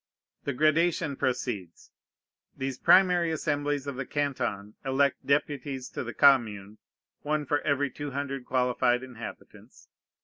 The gradation proceeds. These primary assemblies of the Canton elect deputies to the Commune, one for every two hundred qualified inhabitants.